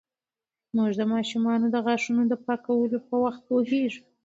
مور د ماشومانو د غاښونو د پاکولو په وخت پوهیږي.